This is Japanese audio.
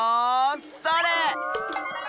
それ！